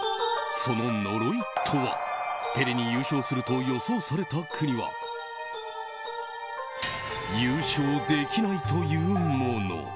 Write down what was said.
その呪いとは、ペレに優勝すると予想された国は優勝できないというもの。